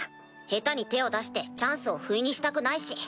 下手に手を出してチャンスをふいにしたくないし。